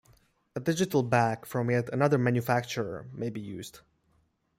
A digital back from yet another manufacturer may be used.